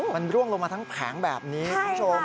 มันร่วงลงมาทั้งแผงแบบนี้คุณผู้ชม